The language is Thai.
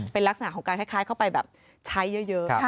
เป็นลักษณะของการคล้ายเข้าไปแบบใช้เยอะ